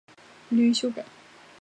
不利于修改